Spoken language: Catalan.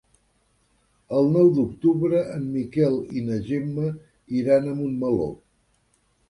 El nou d'octubre en Miquel i na Gemma iran a Montmeló.